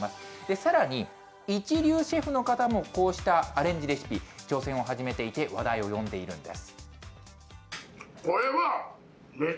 さらに、一流シェフの方も、こうしたアレンジレシピ、挑戦を始めていて話題なんです。